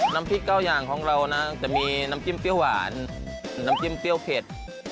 น้ำพริกเก้าอย่างของเรานะจะมีน้ำจิ้มเปรี้ยวหวานน้ำจิ้มเปรี้ยวเผ็ด